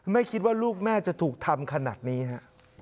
ไม่คิดว่าลูกแม่จะถูกทำขนาดนี้ฮะ